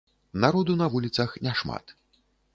Народу на вуліцах няшмат.